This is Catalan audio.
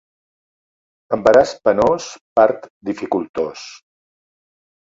Embaràs penós, part dificultós.